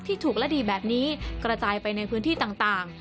ถูกและดีแบบนี้กระจายไปในพื้นที่ต่าง